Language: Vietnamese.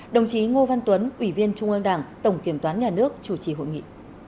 đồng chí ngô văn tuấn ủy viên trung ương đảng tổng kiểm toán nhà nước chủ trì hội nghị